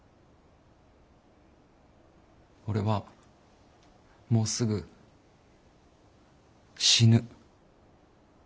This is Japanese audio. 俺はもうすぐ死ぬ。